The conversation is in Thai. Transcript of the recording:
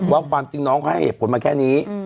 ความจริงน้องเขาให้เหตุผลมาแค่นี้